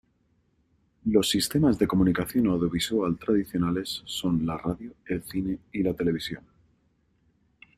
Los sistemas de comunicación audiovisual tradicionales son la radio, el cine y la televisión.